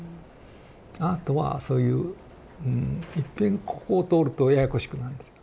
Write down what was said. アートはそういういっぺんここを通るとややこしくなるんです。